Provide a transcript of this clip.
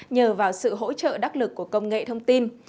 nhờ vào sự hỗ trợ đắc lực của công nghệ thông tin